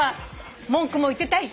文句も言ってたいし